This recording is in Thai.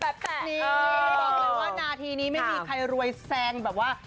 ตอบไปว่าณทีนี้ไม่มีใครรวยแซงแบบว่า